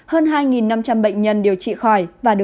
hơn hai năm trăm linh bệnh nhân điều trị khỏi